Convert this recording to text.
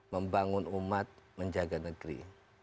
membangun umat menjaga negeri